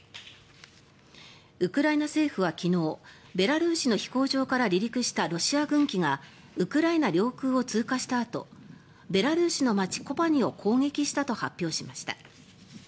ウクライナ政府は昨日ベラルーシの飛行場から離陸したロシア軍機がウクライナ領空を通過したあとベラルーシの街コパニを攻撃したと発表しました。